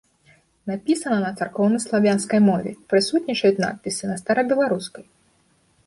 Напісана на царкоўнаславянскай мове, прысутнічаюць надпісы на старабеларускай.